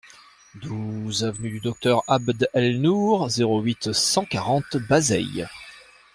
douze avenue du Docteur Abd El Nour, zéro huit, cent quarante, Bazeilles